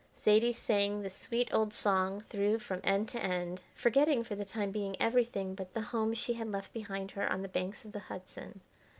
Zaidie sang the sweet old song through from end to end, forgetting for the time being everything but the home she had left behind her on the banks of the Hudson.